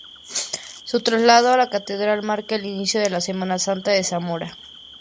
Su traslado a la Catedral marca el inicio de la Semana Santa de Zamora.